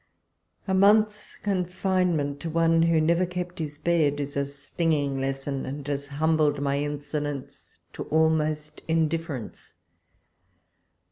A month's confinement to one who never kept his bed is a stinging lesson, and has humbled my insolence to almost indifference.